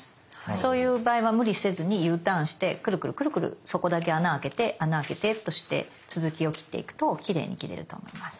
そういう場合は無理せずにＵターンしてくるくるくるくるそこだけ穴あけて穴あけてとして続きを切っていくときれいに切れると思います。